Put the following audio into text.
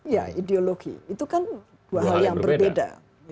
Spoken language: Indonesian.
ya ideologi itu kan dua hal yang berbeda